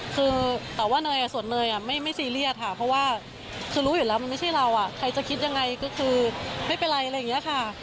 คือแต่ว่าเนยส่วนเนยไม่ซีเรียสค่ะเพราะว่าคือรู้อยู่แล้วมันไม่ใช่เราใครจะคิดยังไงก็คือไม่เป็นไรอะไรอย่างนี้ค่ะ